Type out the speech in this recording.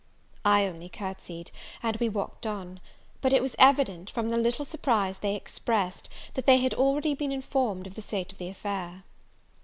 I only courtsied, and we walked on; but it was evident, from the little surprise they expressed, that they had been already informed of the state of the affair.